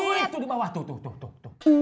itu di bawah tuh tuh tuh